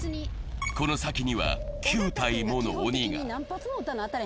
この先には９体もの鬼が。